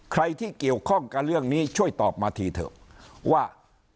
ใครที่เกี่ยวข้องกับเรื่องนี้ช่วยตอบมาทีเถอะว่า